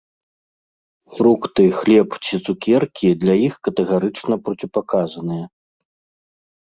Фрукты, хлеб ці цукеркі для іх катэгарычна проціпаказаныя.